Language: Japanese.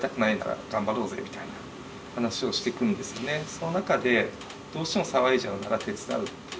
その中でどうしても騒いじゃうなら手伝うっていう。